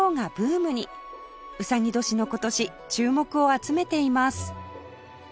卯年の今年注目を集めています